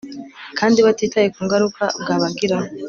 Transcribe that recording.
kandi batitaye ku ngaruka bwabagiraho